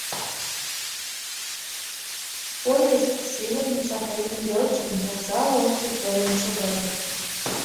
Поезд Северный Сахалин велчын вокзал ончык толын шогале.